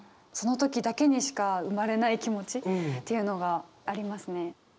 その時だけにしか生まれない気持ちっていうのがありますね。